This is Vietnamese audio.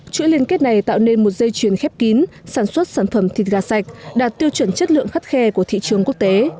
chuỗi liên kết này tạo nên một dây chuyền khép kín sản xuất sản phẩm thịt gà sạch đạt tiêu chuẩn chất lượng khắt khe của thị trường quốc tế